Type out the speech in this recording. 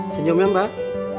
senyum ya pak